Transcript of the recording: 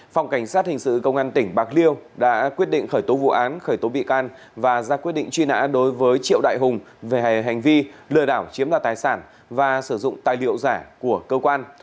phòng cảnh sát hình sự công an tỉnh bạc liêu đã quyết định khởi tố vụ án khởi tố bị can và ra quyết định truy nã đối với triệu đại hùng về hành vi lừa đảo chiếm đoạt tài sản và sử dụng tài liệu giả của cơ quan